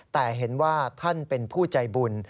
แต่เห็นว่าท่านเป็นผู้ใจบุญ